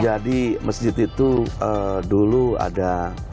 jadi masjid itu dulu ada dua ribu tujuh